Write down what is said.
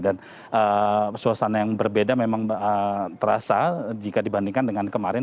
dan suasana yang berbeda memang terasa jika dibandingkan dengan kemarin